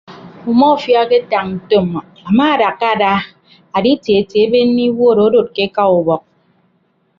Umọfia aketañ ntom amaadakka ada aditietie abenne iwuud adod ke eka ubọk.